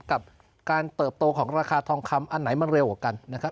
กับการเติบโตของราคาทองคำอันไหนมันเร็วกว่ากันนะครับ